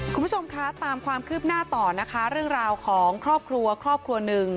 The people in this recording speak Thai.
คุณผู้ชมคะตามความคืบหน้าต่อนะคะเรื่องราวของครอบครัวครอบครัวหนึ่ง